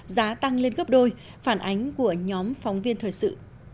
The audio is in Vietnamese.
giá tăng lên gấp đôi phản ánh của nhóm phóng viên thời sự